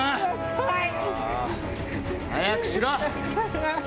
はい！